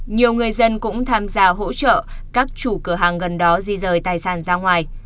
nhiều người dân cũng tham gia hỗ trợ các chủ cửa hàng gần đó di rời tài sản ra ngoài